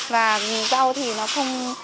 và rau thì nó không